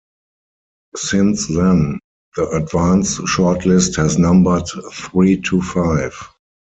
Since then, the advance shortlist has numbered three to five.